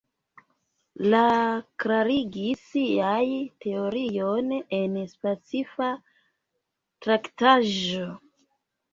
Li klarigis siajn teoriojn en specifa traktaĵo.